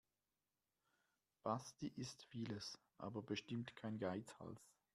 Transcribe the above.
Basti ist vieles, aber bestimmt kein Geizhals.